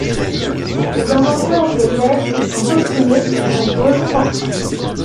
Les inventeurs des LED se sont obstinés, ils ont été récompensés.